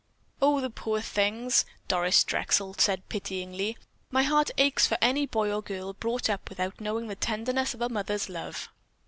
"Oh, the poor things!" Doris Drexel said pityingly. "My heart aches for any boy or girl brought up without knowing the tenderness of a mother's love."